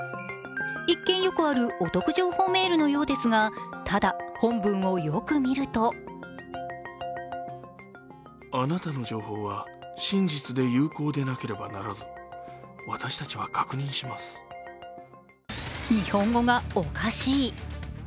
一見よくあるお得情報メールのようですが、ただ、本文をよく見ると日本語がおかしい。